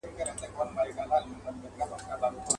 لکه باغوان چي پر باغ ټک وهي لاسونه.